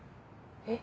えっ。